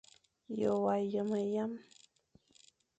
Ye wa yeme yame.